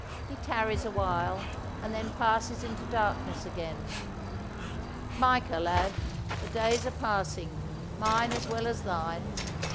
He tarries awhile and then passes into darkness again. Micah, lad, the days are passing, mine as well as thine.